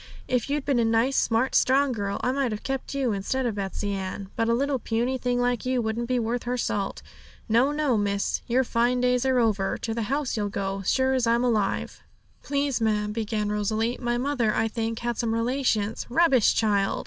If you'd been a nice, smart, strong girl, I might have kept you instead of Betsey Ann; but a little puny thing like you wouldn't be worth her salt. No, no, miss; your fine days are over; to the house you'll go, sure as I'm alive.' 'Please, ma'am,' began Rosalie, 'my mother, I think, had some relations' 'Rubbish, child!'